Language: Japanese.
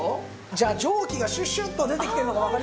じゃあ蒸気がシュシュッと出てきてるのがわかります？